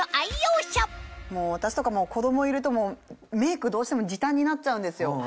私とか子供いるとメイクどうしても時短になっちゃうんですよ。